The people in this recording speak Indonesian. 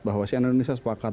bahwa cnn indonesia sepakat